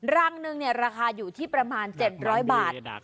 รังหนึ่งราคาอยู่ที่ประมาณ๗๐๐บาท